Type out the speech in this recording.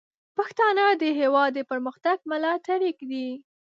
پښتانه د هیواد د پرمختګ ملاتړي دي.